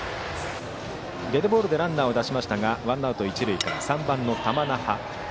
デッドボールでランナーを出しましたがワンアウト、一塁から３番の玉那覇。